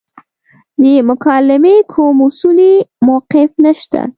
د مکالمې کوم اصولي موقف نشته.